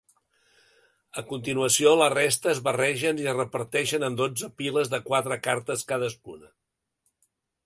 A continuació la resta es barregen i es reparteixen en dotze piles de quatre cartes cadascuna.